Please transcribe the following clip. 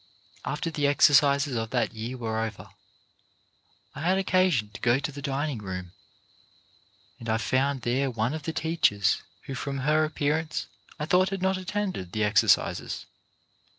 After the exercises of that year were over, I had occasion to go to the dining room, and I found there one of the teachers who from her appearance I thought had not attended the exer cises.